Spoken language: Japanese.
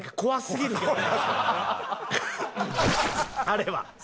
あれは。